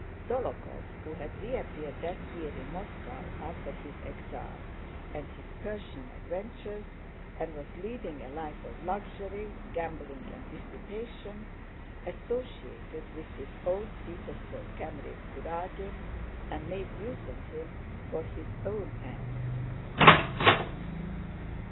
Dólokhov, who had reappeared that year in Moscow after his exile and his Persian adventures, and was leading a life of luxury, gambling, and dissipation, associated with his old Petersburg comrade Kurágin and made use of him for his own ends.